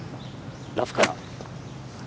ラフから。